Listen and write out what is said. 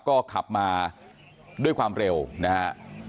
ก็ขับมาด้วยความเร็วนะฮะ